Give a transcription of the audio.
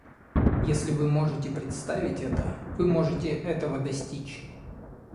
Если вы можете представить это, вы можете этого достичь.